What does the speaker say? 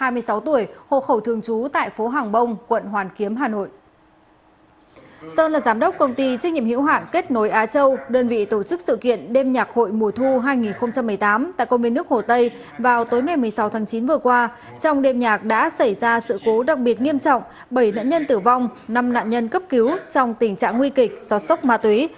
mùa thu hai nghìn một mươi tám tại công viên nước hồ tây vào tối ngày một mươi sáu tháng chín vừa qua trong đệm nhạc đã xảy ra sự cố đặc biệt nghiêm trọng bảy nạn nhân tử vong năm nạn nhân cấp cứu trong tình trạng nguy kịch do sốc ma túy